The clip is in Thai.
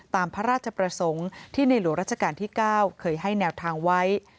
ตามพระราชประสงค์ที่ในหลวงราชการที่๙เคยให้แนวทางไว้